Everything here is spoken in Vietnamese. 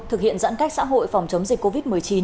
thực hiện giãn cách xã hội phòng chống dịch covid một mươi chín